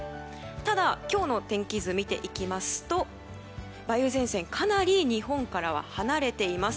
ただ今日の天気図を見ていきますと梅雨前線、かなり日本からは離れています。